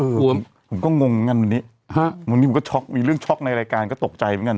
ผมก็งงอันนี้มีเรื่องช็อคในรายการก็ตกใจเหมือนกัน